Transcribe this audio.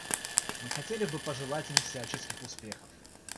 Мы хотели бы пожелать им всяческих успехов.